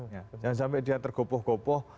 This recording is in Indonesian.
jangan sampai dia tergopoh gopoh